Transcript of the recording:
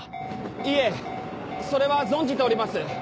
いえそれは存じております